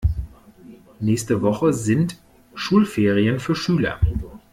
Nächste Woche sind Schulferien für Schüler.